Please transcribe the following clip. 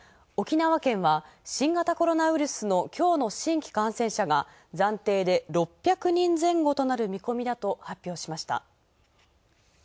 沖縄県は新型コロナウイルスの今日の新規感染者が暫定で６００人前後となる見込みだと発表しました。